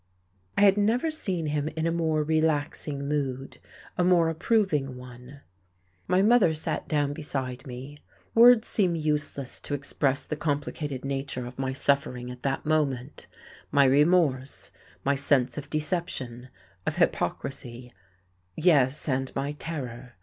I had never seen him in a more relaxing mood, a more approving one. My mother sat down beside me.... Words seem useless to express the complicated nature of my suffering at that moment, my remorse, my sense of deception, of hypocrisy, yes, and my terror.